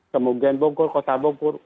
kemudian bogor kota bogor